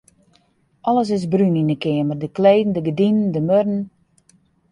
Alles is brún yn 'e keamer: de kleden, de gerdinen, de muorren.